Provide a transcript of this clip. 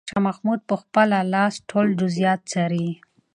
شاه محمود په خپله لاس ټول جزئیات څاري.